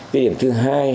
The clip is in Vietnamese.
cái điểm thứ hai